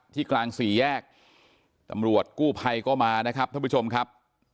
กลางสี่แยกตำรวจกู้ภัยก็มานะครับท่านผู้ชมครับ